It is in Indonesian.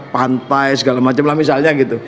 pantai segala macam lah misalnya gitu